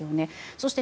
そして、